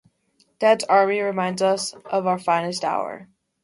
"Dad's Army" reminds us of our finest hour.